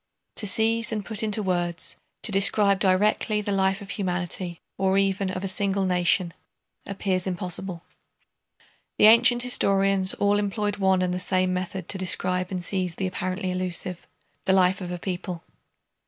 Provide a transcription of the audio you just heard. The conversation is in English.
To seize and put into words, to describe directly the life of humanity or even of a single nation, appears impossible. The ancient historians all employed one and the same method to describe and seize the apparently elusive—the life of a people.